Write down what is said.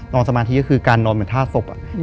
นอนสมาธิก็คือการนอนเหมือนท่าศพอ่ะอืม